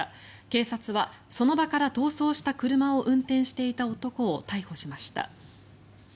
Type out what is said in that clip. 警察はその場から逃走した車を運転していた男を逮捕しました。